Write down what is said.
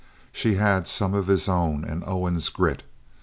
She had some of his own and Owen's grit.